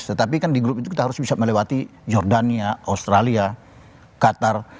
tetapi kan di grup itu kita harus bisa melewati jordania australia qatar